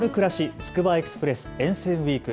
つくばエクスプレス沿線ウイーク。